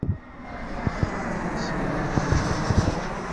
Lḥila n ṣṣbeṛ teččuṛ.